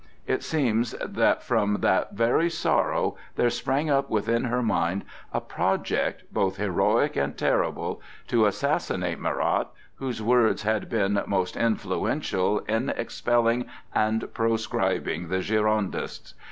It seems that from that very sorrow there sprang up within her mind a project both heroic and terrible,—to assassinate Marat, whose words had been most influential in expelling and proscribing the Girondists.